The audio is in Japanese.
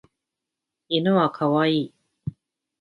犬は可愛い。